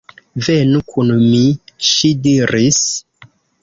Venu kun mi, ŝi diris.